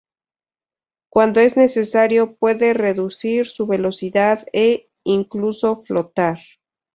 Cuando es necesario, puede reducir su velocidad e incluso flotar.